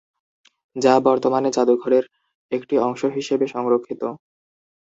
যা বর্তমানে যাদুঘরের একটি অংশ হিসেবে সংরক্ষিত।